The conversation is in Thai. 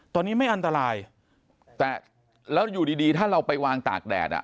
ตอนนี้ไม่อันตรายแต่แล้วอยู่ดีดีถ้าเราไปวางตากแดดอ่ะ